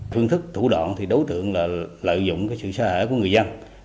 phương thức thủ đoạn thì đối tượng là lợi dụng sự xã hội của người dân